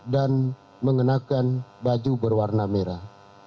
dan mengenakan baju berwarna merah